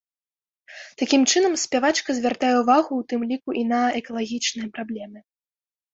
Такім чынам спявачка звяртае ўвагу ў тым ліку і на экалагічныя праблемы.